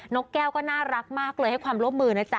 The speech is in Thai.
กแก้วก็น่ารักมากเลยให้ความร่วมมือนะจ๊